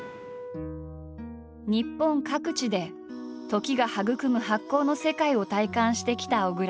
日本各地で時が育む発酵の世界を体感してきた小倉。